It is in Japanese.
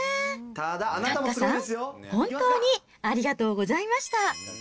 閣下さん、本当にありがとうございました。